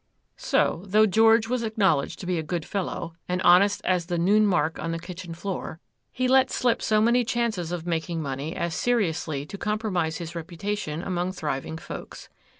So, though George was acknowledged to be a good fellow, and honest as the noon mark on the kitchen floor, he let slip so many chances of making money as seriously to compromise his reputation among thriving folks.